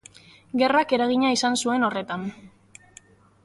Gerrak eragina izan zuen horretan.